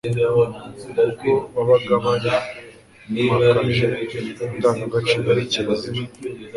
kuko babaga barimakaje indangagaciro na kirazira